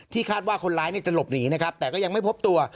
คาดว่าคนร้ายจะหลบหนีนะครับแต่ก็ยังไม่พบตัว